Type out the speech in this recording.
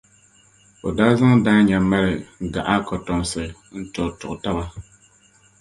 o daa zaŋ daanya mali gaɣa kɔtomsi n-tuɣituɣi taba.